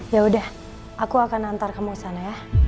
yaudah aku akan nantar kamu ke sana ya